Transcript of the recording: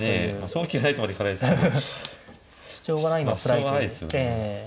勝機がないとまでいかないですけど主張がないですよね。